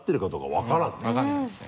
分からないですね。